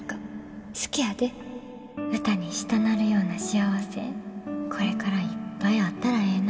歌にしたなるような幸せこれからいっぱいあったらええな。